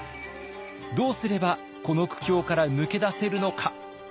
どうすればこの苦境から抜け出せるのか。